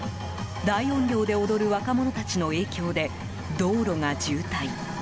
大音量で踊る若者たちの影響で道路が渋滞。